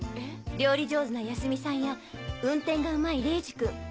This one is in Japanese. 料理上手な泰美さんや運転がうまい玲治君。